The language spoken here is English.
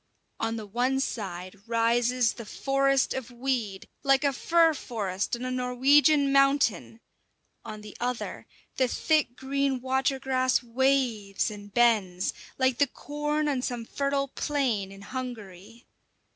On the one side rises the forest of weed, like a fir forest on a Norwegian mountain; on the other the thick green water grass waves and bends like the corn on some fertile plain in Hungary.